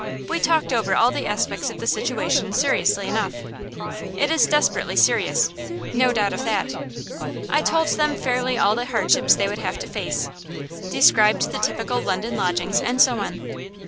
We talked over all the aspects of the situation seriously enough it is desperately serious, no doubt of that. I told them fairly all the hardships they would have to face described the typical London lodgings, and so on.